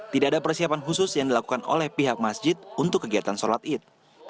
tidak ada persiapan khusus yang dilakukan oleh pihak masjid untuk kegiatan sholat id